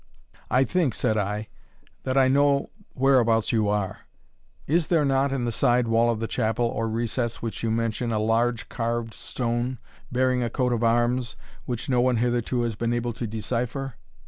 "I think," said I, "that I know whereabouts you are. Is there not in the side wall of the chapel, or recess, which you mention, a large carved stone, bearing a coat of arms, which no one hitherto has been able to decipher?"